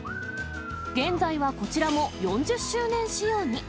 現在はこちらも４０周年仕様に。